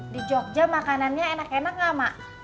di jogja makanannya enak enak gak mak